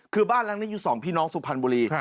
คือบ้านหลังนี้อยู่สองพี่น้องสุพรรณบุรี